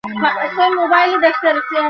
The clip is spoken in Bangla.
স্থায়ী ক্যাম্পাসটি আশুলিয়া, সাভার, ঢাকার এ।